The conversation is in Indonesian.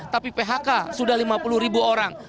tapi phk sudah lima puluh ribu orang